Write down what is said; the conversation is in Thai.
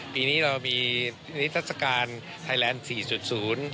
ปีนี้เรามีทัชการไทย๔๐